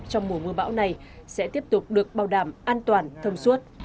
trong mùa mưa bão này sẽ tiếp tục được bảo đảm an toàn thông suốt